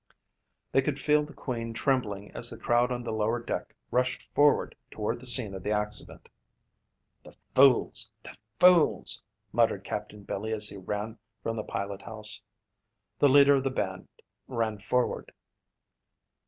They could feel the Queen trembling as the crowd on the lower deck rushed forward toward the scene of the accident. "The fools, the fools," muttered Captain Billy as he ran from the pilot house. The leader of the band ran forward.